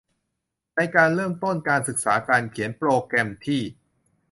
ในการเริ่มต้นศึกษาการเขียนโปรแกรมที่